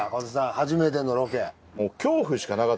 初めてのロケ。